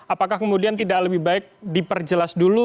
apakah kemudian tidak lebih baik diperjelas dulu